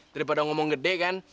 daripada ngomong gede kan